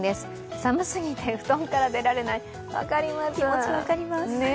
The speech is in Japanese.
寒すぎて布団から出られない、分かります。